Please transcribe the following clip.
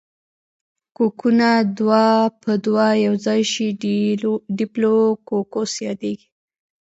کوکونه دوه په دوه یوځای شي ډیپلو کوکس یادیږي.